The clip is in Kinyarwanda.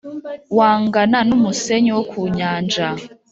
wangana n’umusenyi wo ku nyanja,